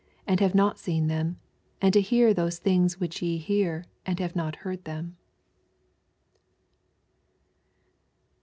and have not seen them; and to near those things which ye hear, and have not heard them.